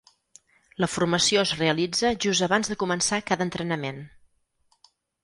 La formació es realitza just abans de començar cada entrenament.